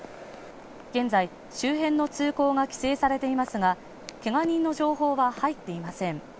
現在周辺の通行が規制されていますが、けが人の情報は入っていません。